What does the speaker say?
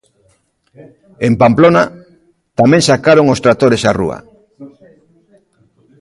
En Pamplona, tamén sacaron os tractores á rúa.